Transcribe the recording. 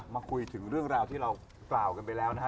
คุยถึงเรื่องราวที่เรากล่าวกันไปแล้วนะฮะ